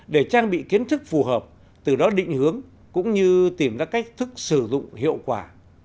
để trang bị kiến thức phù hợp từ đó định hướng cũng như tìm ra cách thức sử dụng hiệu quả